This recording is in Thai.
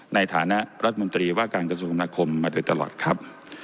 ในฐานะรัฐมนตรีว่าการกระทรวงนาคมมาโดยตลอดครับ